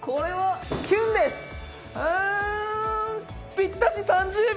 ぴったし３０秒。